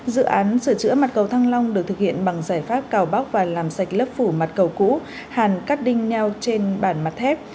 dự án sửa chữa mặt cầu thăng long được thực hiện bằng giải pháp cào bóc và làm sạch lớp phủ mặt cầu cũ hàn cắt đinh neo trên bản mặt thép